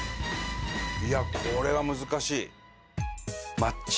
いやこれは難しい。